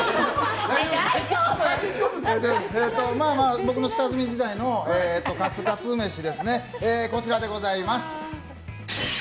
僕の下積み時代のカツカツ飯はこちらでございます。